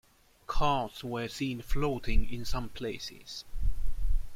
Cars were seen floating in some places.